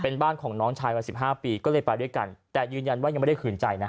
เป็นบ้านของน้องชายวัยสิบห้าปีก็เลยไปด้วยกันแต่ยืนยันว่ายังไม่ได้ขืนใจนะ